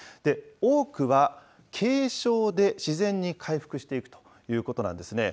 多くは、軽症で自然に回復していくということなんですね。